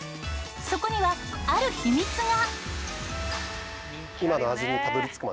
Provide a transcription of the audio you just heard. そこにはある秘密が。